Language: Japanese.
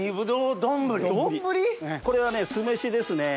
これはね酢飯ですね。